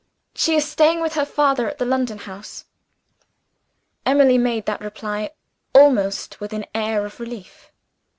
She is staying with her father at the London house." Emily made that reply almost with an air of relief.